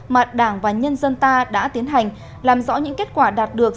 mặt đảng và nhân dân ta đã tiến hành làm rõ những kết quả đạt được